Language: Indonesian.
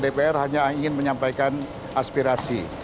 dpr hanya ingin menyampaikan aspirasi